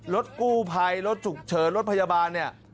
รถกู้ภัยรถฉุกเฉินรถพยาบาลเนี่ย